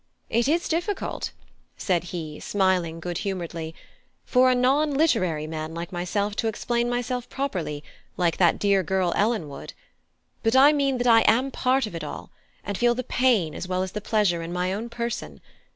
It is difficult," said he, smiling good humouredly, "for a non literary man like me to explain myself properly, like that dear girl Ellen would; but I mean that I am part of it all, and feel the pain as well as the pleasure in my own person.